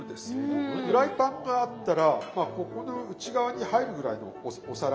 フライパンがあったらまあここの内側に入るぐらいのお皿。